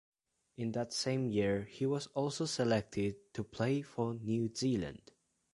In that same year he was also selected to play for New Zealand.